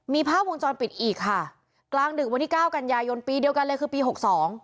มีภาพวงจรปิดอีกค่ะกลางดึกวันที่เก้ากันยายนปีเดียวกันเลยคือปีหกสอง